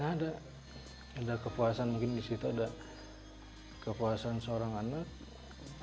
ada ada kepuasan mungkin disitu ada kepuasan seorang anak